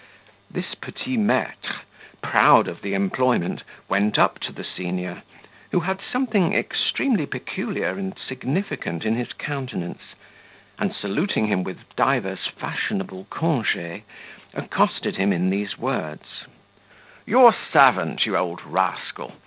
This petit maitre, proud of the employment, went up to the senior, who had something extremely peculiar and significant in his countenance, and saluting him with divers fashionable congees, accosted him in these words: "Your servant, you old rascal.